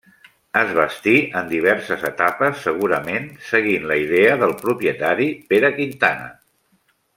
Es bastí en diverses etapes segurament seguint la idea del propietari Pere Quintana.